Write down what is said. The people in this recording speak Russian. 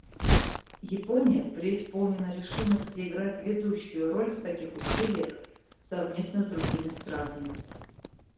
Япония преисполнена решимости играть ведущую роль в таких усилиях совместно с другими странами.